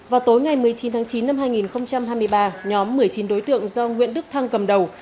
vào tối ngày một mươi chín tháng chín năm hai nghìn hai mươi ba nhóm một mươi chín đối tượng do nguyễn đức thăng cầm đầu